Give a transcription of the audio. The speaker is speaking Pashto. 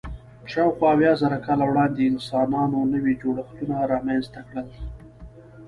شاوخوا اویا زره کاله وړاندې انسانانو نوي جوړښتونه رامنځ ته کړل.